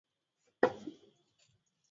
ilikuwa kwenye mfuko wa kanzu yake